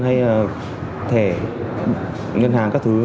hay là thẻ ngân hàng các thứ